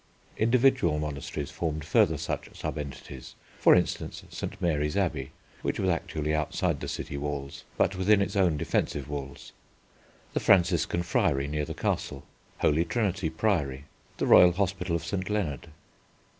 Individual monasteries formed further such sub entities; for instance St. Mary's Abbey, which was actually outside the city walls, but within its own defensive walls; the Franciscan Friary near the Castle; Holy Trinity Priory; the royal Hospital of St. Leonard.